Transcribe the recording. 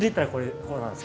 こうなんですけど。